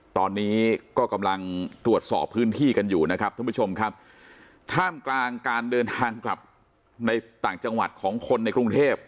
ตอนนี้ก็กำลังตรวจสอบพื้นที่กันอยู่นะครับท่านผู้ชมครับท่ามกลางการเดินทางกลับในต่างจังหวัดของคนในกรุงเทพ